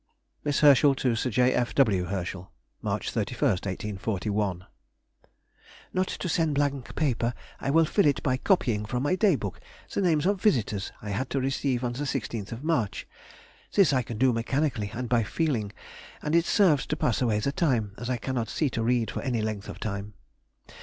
MISS HERSCHEL TO SIR J. F. W. HERSCHEL. March 31, 1841. Not to send blank paper, I will fill it by copying from my Day book the names of the visitors I had to receive on the 16th of March. This I can do mechanically and by feeling, and it serves to pass away the time, as I cannot see to read for any length of time.